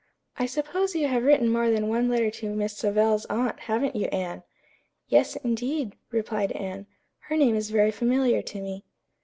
I suppose you have written more than one letter to Miss Savell's aunt, haven't you, Anne!" "Yes, indeed," replied Anne. "Her name is very familiar to me."